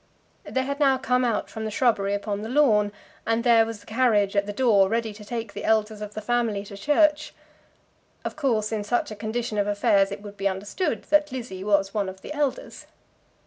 They had now come out from the shrubbery upon the lawn, and there was the carriage at the door, ready to take the elders of the family to church. Of course in such a condition of affairs it would be understood that Lizzie was one of the elders.